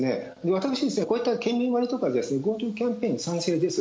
私、こういった県民割とか、ＧｏＴｏキャンペーンに賛成です。